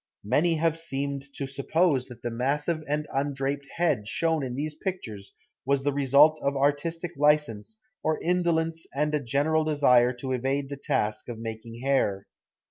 Many have seemed to suppose that the massive and undraped head shown in these pictures was the result of artistic license or indolence and a general desire to evade the task of making hair.